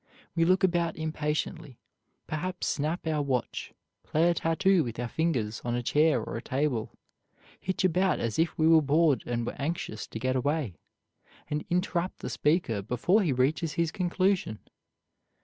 We look about impatiently, perhaps snap our watch, play a tattoo with our fingers on a chair or a table, hitch about as if we were bored and were anxious to get away, and interrupt the speaker before he reaches his conclusion.